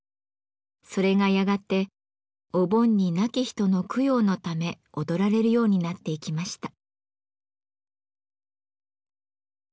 それがやがてお盆に亡き人の供養のため踊られるようになっていきました。